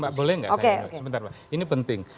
mbak boleh gak saya nanya sebentar ini penting